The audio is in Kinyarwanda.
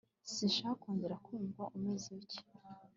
Sinshaka kongera kumva umeze gutya